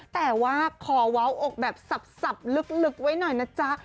แต่ว่าขอเว้าอกแบบสับลึกไว้หน่อยนะจ๊ะ